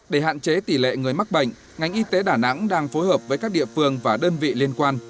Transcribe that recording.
để hạn chế tỷ lệ người mắc bệnh ngành y tế đà nẵng đang phối hợp với các địa phương và đơn vị liên quan